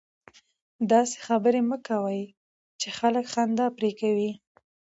داسي خبري مه کوئ! چي خلک خندا پر کوي.